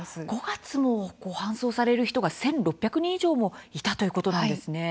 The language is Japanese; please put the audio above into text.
５月も搬送される人が１６００人以上もいたということなんですね。